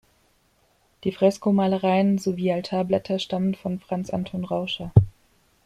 Die Freskomalereien sowie Altarblätter stammen von Franz Anton Rauscher.